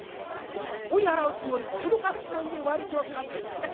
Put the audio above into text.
追い払うつもり脅かすつもりで割木をつかんでペッ。